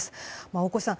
大越さん